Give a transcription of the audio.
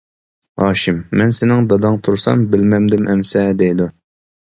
ھاشىم:-مەن سېنىڭ داداڭ تۇرسام بىلمەمدىم ئەمىسە دەيدۇ.